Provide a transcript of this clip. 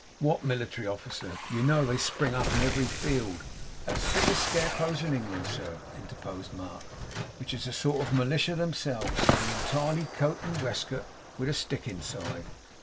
'What military officer? You know they spring up in every field.' 'As thick as scarecrows in England, sir,' interposed Mark, 'which is a sort of milita themselves, being entirely coat and wescoat, with a stick inside.